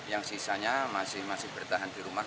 yang sisanya masih bertahan di rumah